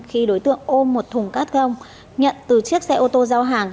khi đối tượng ôm một thùng cát gông nhận từ chiếc xe ô tô giao hàng